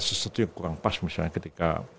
sesuatu yang kurang pas misalnya ketika